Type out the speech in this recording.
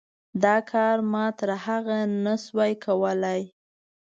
دا کار ما تر هغه نه شو کولی.